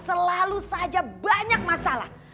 selalu saja banyak masalah